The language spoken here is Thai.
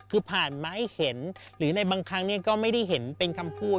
คือผ่านมาให้เห็นหรือในบางครั้งก็ไม่ได้เห็นเป็นคำพูด